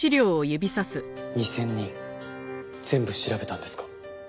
２０００人全部調べたんですか？